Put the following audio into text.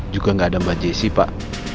juga gak ada mbak jessy pak